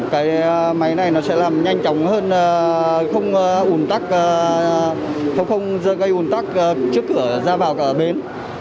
cái máy này nó sẽ làm nhanh chóng hơn không gây ủn tắc trước cửa ra vào cả bến